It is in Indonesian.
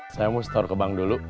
saya mau store ke bank dulu